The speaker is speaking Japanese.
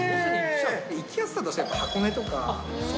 行きやすさとしては箱根とか。